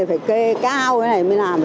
phải kê cao thế này mới làm